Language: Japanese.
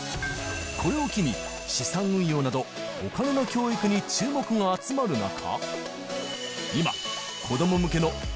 これを機に資産運用などお金の教育に注目が集まる中